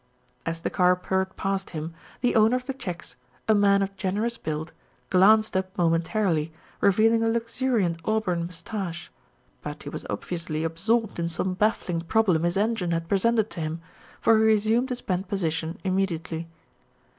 As the car purred past him, the owner of the checks, a man of generous build, glanced up momentarily, re vealing a luxuriant auburn moustache; but he was obviously absorbed in some baffling problem his engine had presented to him, for he resumed his bent position immediately.